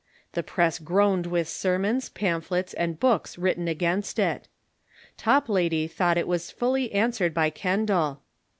The press groaned with sermons, pamphlets, and books written against it. Top lady thought it was fully answered by Kendal.